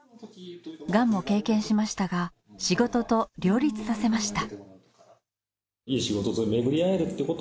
がんも経験しましたが仕事と両立させました。